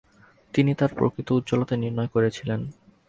তিনি তার প্রকৃত উজ্জ্বলতা নির্ণয় করেছিলেন।